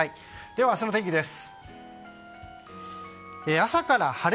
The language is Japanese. では、明日の天気です。